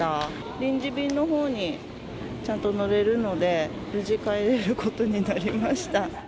臨時便のほうにちゃんと乗れるので、無事帰れることになりました。